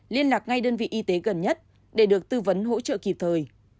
liên lạc ngay đơn vị y tế gần nhất để được tư vấn hỗ trợ kịp thời